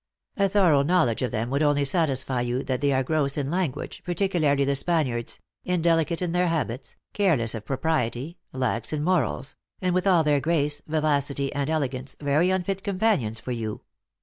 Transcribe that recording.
" A thorough knowledge of them would only satisfy you that they are gross in language, particularly the Spaniards, indelicate in their habits, careless of pro priety, lax in morals, and, with all their grace, vi vacity, and elegance, very unfit companions for you.